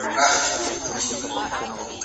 په مني کې توند بادونه مړې پاڼې راغورځوي.